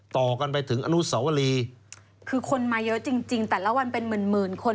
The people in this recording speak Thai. ต่อกันไปถึงอนุสวรีคือคนมาเยอะจริงจริงแต่ละวันเป็นหมื่นหมื่นคน